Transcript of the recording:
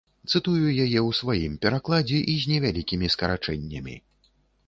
Цытую яе ў сваім перакладзе і з невялікімі скарачэннямі.